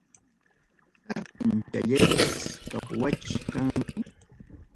Sartenchallaypas kapuwachkanmi.